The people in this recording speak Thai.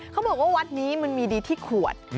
เขาบอกว่าวัดนี้มันมีดีที่ขวด